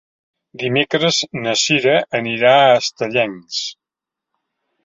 Dimecres na Cira anirà a Estellencs.